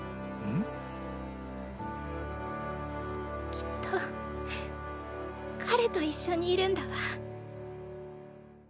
きっと彼と一緒にいるんだわ。